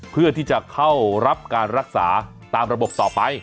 เพื่อที่จะเข้ารับการรักษาตามระบบต่อไป